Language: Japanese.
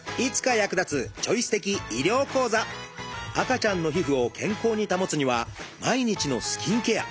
赤ちゃんの皮膚を健康に保つには毎日のスキンケア。